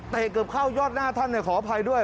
เตะเกือบข้าวยอดหน้าท่านเนี่ยเข้าอภัยด้วย